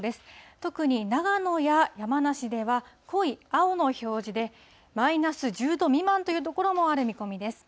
特に長野や山梨では濃い青の表示で、マイナス１０度未満という所もある見込みです。